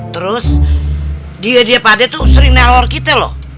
terus dia dia pade tuh sering neror kita loh